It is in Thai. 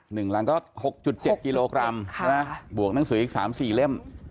หนึ่งลังก็๖๗กิโลกรัมบวกหนังสืออีก๓๔เล่ม